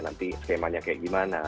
nanti skemanya kayak gimana